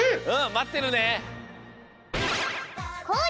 まってるね！